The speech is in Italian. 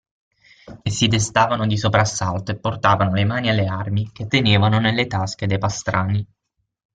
E si destavano di soprassalto e portavano le mani alle armi, che tenevano nelle tasche de' pastrani.